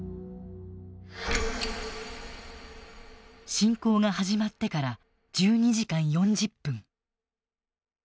侵攻が始まってから１２時間４０分。